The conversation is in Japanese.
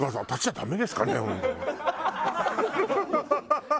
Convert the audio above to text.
ハハハハ！